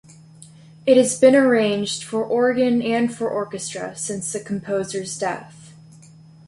It has been arranged for organ and for orchestra since the composer's death.